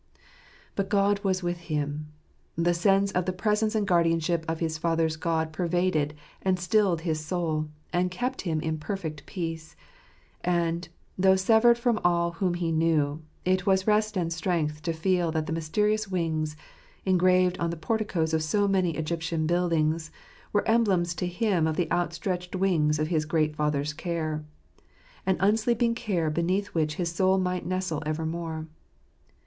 But "God was with him"; the sense of the presence and guardianship of his father's God pervaded and stilled his soul, and kept him in perfect peace; and, though severed from all whom he knew, it was rest and strength to feel that the mysterious wings, engraved on the porticoes of so many Egyptian buildings, were emblems to him of the outstretched wings of his great Father's care — an unsleeping care beneath which his soul might nestle evermore.